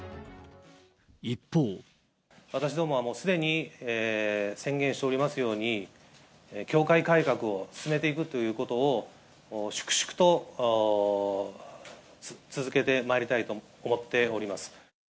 私どもはもうすでに、宣言しておりますように、教会改革を進めていくということを、粛々と続けてまいりたいと思っております。